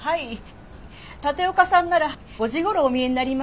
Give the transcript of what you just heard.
立岡さんなら５時頃お見えになりました。